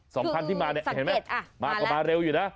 สองคันที่มาเนี่ยมาก็มาเร็วอยู่นะ